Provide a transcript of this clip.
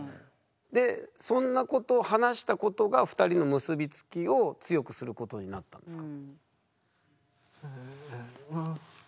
でそんなことを話したことが２人の結び付きを強くすることになったんですか？